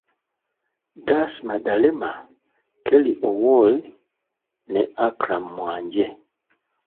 Gasi Madalema, Kerry Owori ne Akram Mwanje.